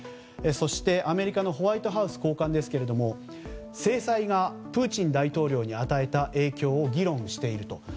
そして、アメリカのホワイトハウス高官ですが制裁がプーチン大統領に与えた影響を議論していると。